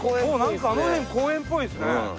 なんかあの辺公園っぽいですね。